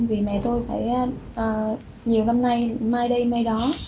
vì mẹ tôi phải nhiều năm nay mai đây mai đó